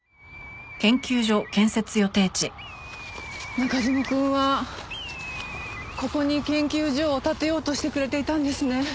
中園くんはここに研究所を建てようとしてくれていたんですね。